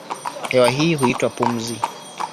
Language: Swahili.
Hewa hii huitwa pumzi.